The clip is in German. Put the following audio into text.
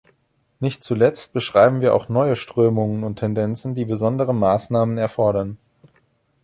Nicht zuletzt beschreiben wir auch neue Strömungen und Tendenzen, die besondere Maßnahmen erfordern.